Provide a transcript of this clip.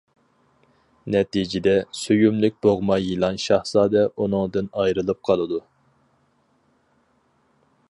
نەتىجىدە، سۆيۈملۈك بوغما يىلان شاھزادە ئۇنىڭدىن ئايرىلىپ قالىدۇ.